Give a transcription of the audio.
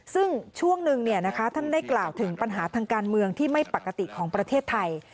ซึ่งช่วงหนึ่งท่านได้กล่าวถึงปัญหาทางการเมืองที่ไม่ปกติของประเทศไทย